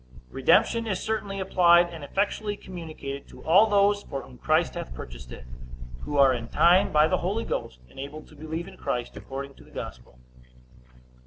Redemption is certainly applied, and effectually communicated, to all those for whom Christ hath purchased it; who are in time by the Holy Ghost enabled to believe in Christ according to the gospel.